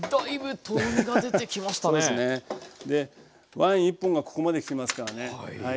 ワイン１本がここまできてますからね。